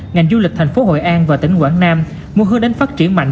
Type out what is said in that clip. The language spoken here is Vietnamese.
ngành du lịch thành phố hội an và tỉnh quảng nam mua hứa đến phát triển mạnh